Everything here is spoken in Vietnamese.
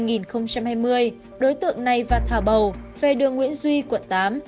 năm hai nghìn hai mươi đối tượng này và thả bầu về đường nguyễn duy quận tám